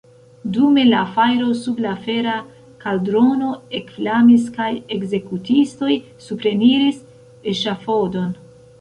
Dume la fajro sub la fera kaldrono ekflamis, kaj ekzekutistoj supreniris eŝafodon.